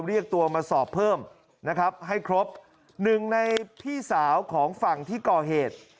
เรียกตัวมาสอบเพิ่มนะครับให้ครบหนึ่งในพี่สาวของฝั่งที่ก่อเหตุ